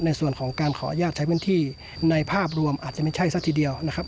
ในส่วนของการขออนุญาตใช้พื้นที่ในภาพรวมอาจจะไม่ใช่ซะทีเดียวนะครับ